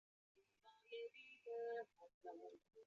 崇基学院校园位于香港新界大埔公路十一咪半东北之山谷。